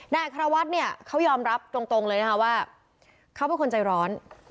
อัครวัฒน์เนี่ยเขายอมรับตรงเลยนะคะว่าเขาเป็นคนใจร้อน